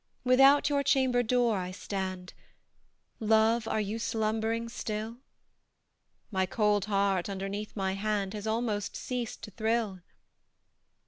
Without your chamber door I stand; Love, are you slumbering still? My cold heart, underneath my hand, Has almost ceased to thrill.